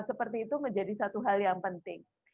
seperti itu menjadi satu hal yang penting